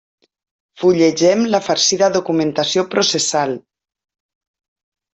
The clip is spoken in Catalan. Fullegem la farcida documentació processal.